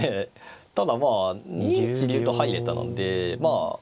ただまあ２一竜と入れたのでまあ